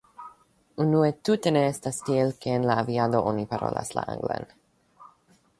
Unue tute ne estas tiel, ke en la aviado oni parolas la anglan.